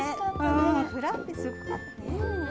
フラッペすごかったね。